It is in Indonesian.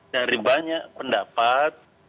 dari banyak pendapat